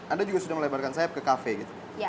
anda juga sudah melebarkan sayap ke kafe gitu